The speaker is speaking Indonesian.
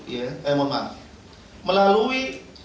ya eh maaf melalui